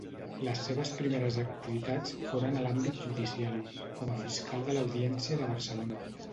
Les seves primeres activitats foren a l'àmbit judicial, com a fiscal de l'Audiència de Barcelona.